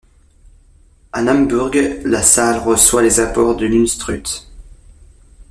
À Naumburg, la Saale reçoit les apports de l’Unstrut.